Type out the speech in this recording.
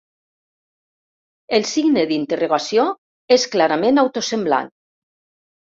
El signe d'interrogació és clarament auto-semblant.